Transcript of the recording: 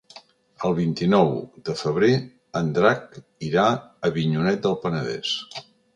El vint-i-nou de febrer en Drac irà a Avinyonet del Penedès.